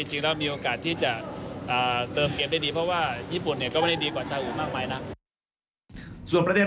หากเป็นไปได้ก็อยากให้ผู้เล่นใช้สตาร์ทคู่ใหม่